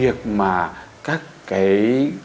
việc mà các cái